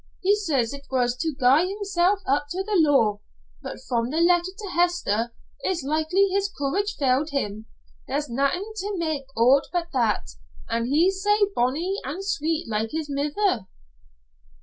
He says it was to gie himsel' up to the law, but from the letter to Hester it's likely his courage failed him. There's naethin' to mak' o't but that an' he sae bonny an' sweet, like his mither."